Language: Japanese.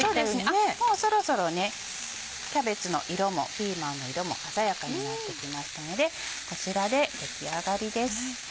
そうですねもうそろそろキャベツの色もピーマンの色も鮮やかになってきましたのでこちらで出来上がりです。